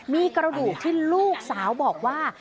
มีกระดูกที่ลูกสาวบอกว่า